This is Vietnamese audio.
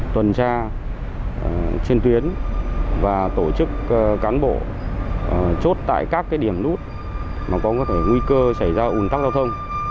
tuần tra trên tuyến và tổ chức cán bộ chốt tại các điểm nút mà có thể nguy cơ xảy ra ủn tắc giao thông